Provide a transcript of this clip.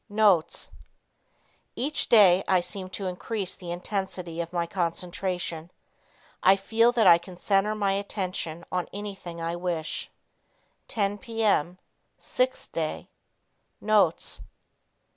Notes. "Each day I seem to increase the intensity of my concentration. I feel that I can center my attention on anything I wish. 10 P. M. 6th Day. Notes.